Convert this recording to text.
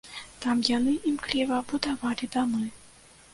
Там яны імкліва будавалі дамы.